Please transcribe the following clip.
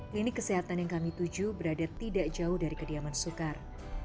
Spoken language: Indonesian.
klinik kesehatan yang kami tuju berada tidak jauh dari kediaman soekar